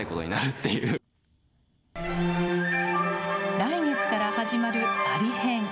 来月から始まるパリ編。